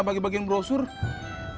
bagi bagi yang brosurnya